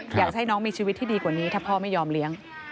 อยากให้น้องมีชีวิตที่ดีกว่านี้ถ้าพ่อไม่ยอมเลี้ยง